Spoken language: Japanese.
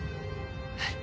はい。